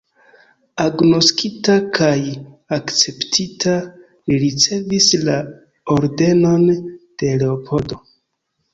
Agnoskita kaj akceptita, li ricevis la Ordenon de Leopoldo.